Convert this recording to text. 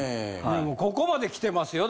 ここまできてますよ